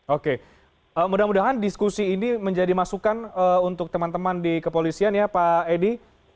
oke mudah mudahan diskusi ini menjadi masukan untuk teman teman di kepolisian ya pak edi